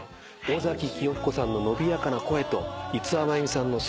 尾崎紀世彦さんの伸びやかな声と五輪真弓さんの存在感。